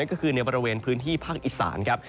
ก็คือในบริเวณพื้นที่ภาคอีสานครับ